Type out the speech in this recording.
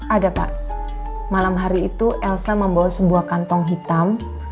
ada pak malam hari itu elsa membawa sebuah kantong hitam